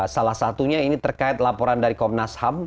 salah satunya ini terkait laporan dari komnas ham